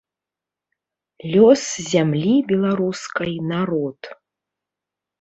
Лёс зямлі беларускай народ.